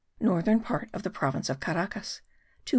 Northern part of the Province of Caracas : 208.